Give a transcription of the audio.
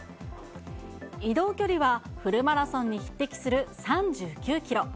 移動距離はフルマラソンに匹敵する３９キロ。